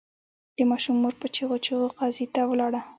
د ماشوم مور په چیغو چیغو قاضي ته ولاړه.